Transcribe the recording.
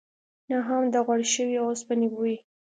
نه هم د غوړ شوي اوسپنې بوی.